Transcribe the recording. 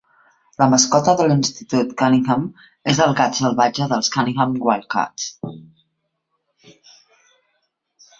La mascota de l'Institut Cunningham és el gat salvatge dels Cunningham Wildcats.